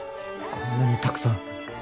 こんなにたくさん？